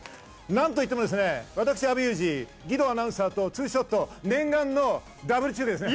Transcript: なんといってもですね、私、阿部祐二、義堂アナウンサーとツーショット、念願のダブル中継ですね。